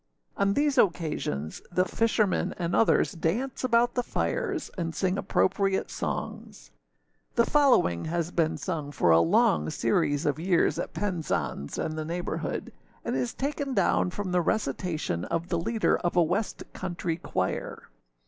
On these occasions the fishermen and others dance about the fires, and sing appropriate songs. The following has been sung for a long series of years at Penzance and the neighbourhood, and is taken down from the recitation of the leader of a West country choir.